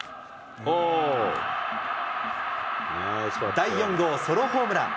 第４号ソロホームラン。